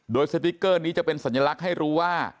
โดยสติ๊กเกอร์นี้จะเป็นสัญลักษณ์ให้รู้ว่า